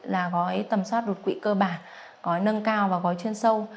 là gói tầm soát đột quỵ cơ bản gói nâng cao và gói chuyên sâu